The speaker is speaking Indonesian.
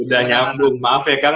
udah nyambung maaf ya kan